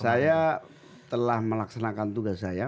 saya telah melaksanakan tugas saya